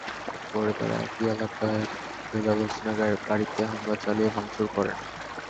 পরে তাঁরা একই এলাকার বেল্লাল হোসেনের বাড়িতে হামলা চালিয়ে ভাঙচুর করেন।